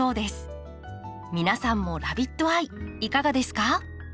皆さんもラビットアイいかがですか？